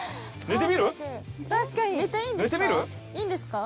寝ていいんですか？